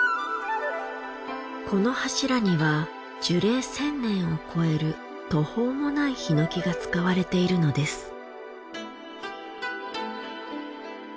この柱には樹齢１０００年を超える途方もない檜が使われているのです。